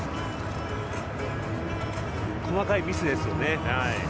細かいミスですよね。